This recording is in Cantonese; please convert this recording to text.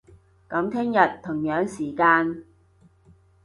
噉聽日，同樣時間